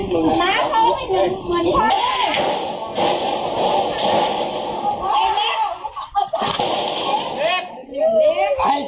เหมือนพ่อเว้ย